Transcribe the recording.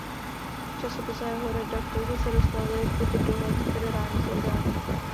Časopis a jeho redaktoři se dostali pod dohled federálních orgánů.